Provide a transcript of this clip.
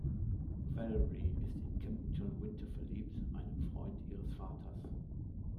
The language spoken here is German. Valerie ist in Captain John Wynter verliebt, einem Freund ihres Vaters.